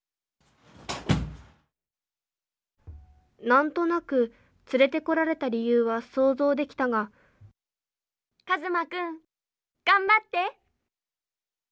何となく連れてこられた理由は想像できたがカズマくん頑張って！